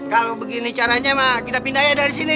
kalau begini caranya kita pindahin dari sini